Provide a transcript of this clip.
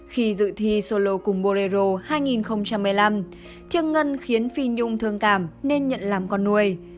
khi dự thi solo cùng borero hai nghìn một mươi năm thiêng ngân khiến phi nhung thương cảm nên nhận làm con nuôi